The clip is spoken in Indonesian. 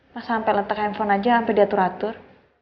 pas sampe letak handphone aja sampe diatur atur